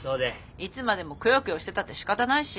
いつまでもクヨクヨしてたってしかたないし。